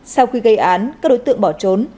sau khi gây án các đối tượng bỏ trốn